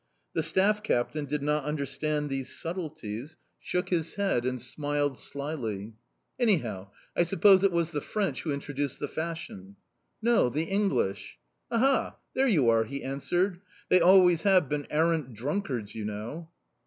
The staff captain did not understand these subtleties, shook his head, and smiled slyly. "Anyhow, I suppose it was the French who introduced the fashion?" "No, the English." "Aha, there you are!" he answered. "They always have been arrant drunkards, you know!"